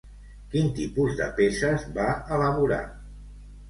Quin tipus de peces va elaborar?